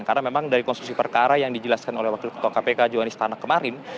karena memang dari konstruksi perkara yang dijelaskan oleh wakil ketua kpk johan istana kemarin